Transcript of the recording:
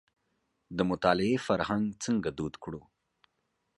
د مطالعې فرهنګ څنګه دود کړو.